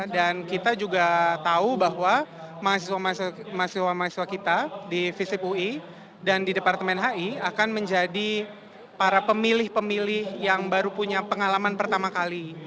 dan kita juga tahu bahwa mahasiswa mahasiswa kita di fisip ui dan di departemen hi akan menjadi para pemilih pemilih yang baru punya pengalaman pertama kali